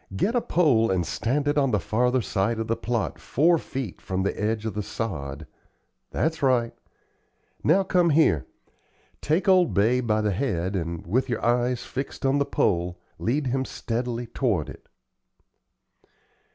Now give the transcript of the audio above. Get a pole and stand it on the farther side of the plot four feet in from the edge of the sod. That's right. Now come here; take old Bay by the head, and, with your eyes fixed on the pole, lead him steadily toward it."